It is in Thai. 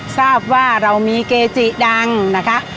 ทราบว่าเรามีเกจิดังนะคะ